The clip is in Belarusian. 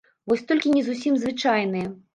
Вось толькі не зусім звычайныя.